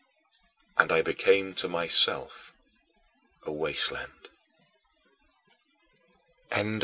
And I became to myself a wasteland.